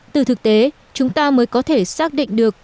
từ thực tế chúng ta mới có thể xác định được